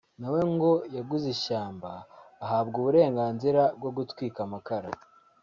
na we ngo yaguze ishyamba ahabwa uburenganzira bwo gutwika amakara